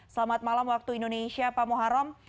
selamat malam waktu indonesia pak muharam